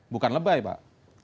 bukan lebay pak